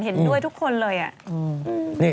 เห็นด้วยทุกคนอ่ะ